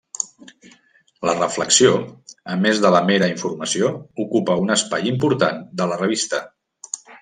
La reflexió a més de la mera informació ocupa un espai important de la revista.